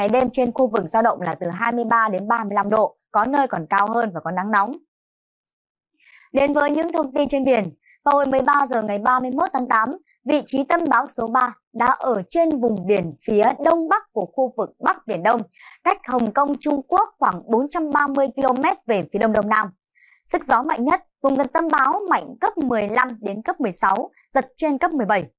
do ảnh hưởng của báo vùng biển phía bắc của khu vực bắc biển đông có gió báo mạnh cấp một mươi đến cấp một mươi ba